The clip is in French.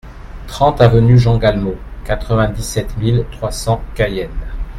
trente avenue Jean Galmot, quatre-vingt-dix-sept mille trois cents Cayenne